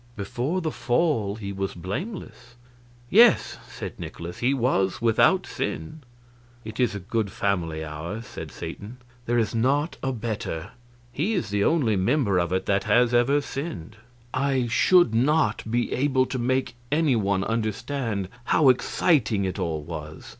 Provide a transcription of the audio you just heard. "Before the Fall he was blameless." "Yes," said Nikolaus, "he was without sin." "It is a good family ours," said Satan; "there is not a better. He is the only member of it that has ever sinned." I should not be able to make any one understand how exciting it all was.